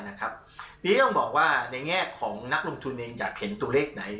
อันนี้ต้องบอกว่าในแง่ของนักลงทุนเองอยากเห็นตัวเลขไหน